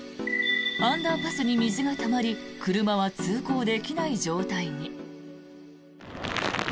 アンダーパスに水がたまり車は通行できない状態に。